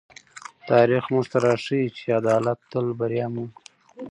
تاریخ موږ ته راښيي چې عدالت تل بریا مومي.